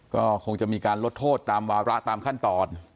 ก็คงจะมีการลดโทษตามวาระตามขั้นตอน